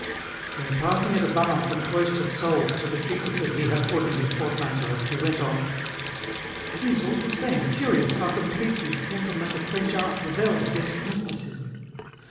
Then, passing at a bound from cloistered souls to the treatises he had put in his portmanteau, he went on : "It is, all the same, curious how completely the temperament of French art rebels against Mysticism